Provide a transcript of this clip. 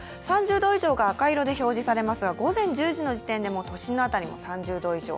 ３０度以上が赤色で表示されますが午前１０時でも都心の辺りも３０度以上。